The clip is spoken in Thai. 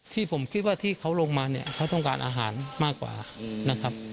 ที่ผมคิดว่าที่เขาลงมาเนี่ยเขาต้องการอาหารมากกว่านะครับ